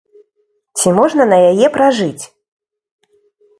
Ці можна на яе пражыць?